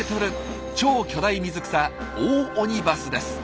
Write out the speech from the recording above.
超巨大水草オオオニバスです。